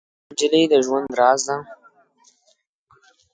نجلۍ د ژوند راز ده.